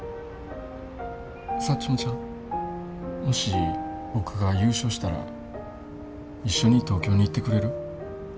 もし僕が優勝したら一緒に東京に行ってくれる？